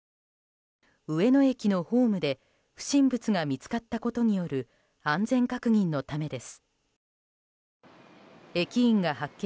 上野駅のホームで不審物が見つかったことによる安全確認のためです。